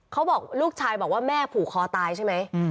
เขาบอกลูกชายบอกว่าแม่ผูกคอตายใช่ไหม